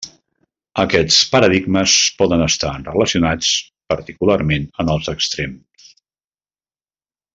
Aquests paradigmes poden estar relacionats, particularment en els extrems.